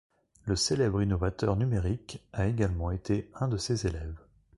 Le célèbre innovateur numérique a également été un de ses élèves.